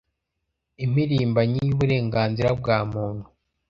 impirimbanyi y’uburenganzira bwa muntu